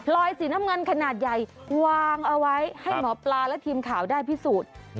สีน้ำเงินขนาดใหญ่วางเอาไว้ให้หมอปลาและทีมข่าวได้พิสูจน์